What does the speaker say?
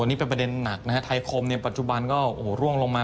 นี่เป็นเต็มหนักนะครับไทยคมปัจจุบันก็ล่วงลงมา